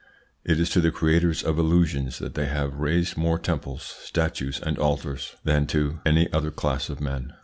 It is to the creators of illusions that they have raised more temples, statues, and altars than to any other class of men.